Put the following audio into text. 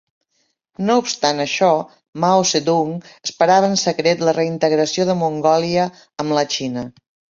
No obstant això, Mao Zedong esperava en secret la reintegració de Mongòlia amb la Xina.